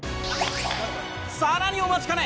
更にお待ちかね！